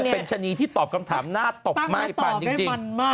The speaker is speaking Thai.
เป็นชะนีที่ตอบคำถามหน้าตบม่ายปันจริง